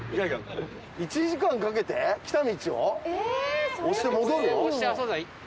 １時間かけて来た道を押して戻るの？